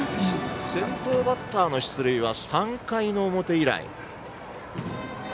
先頭バッターの出塁は３回の表以来。